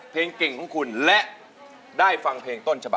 แผ่นไหนครับ